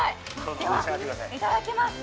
では、いただきます。